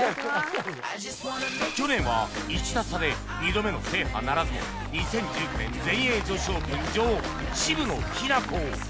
去年は１打差で２度目の制覇ならずも２０１９年全英女子オープン女王渋野日向子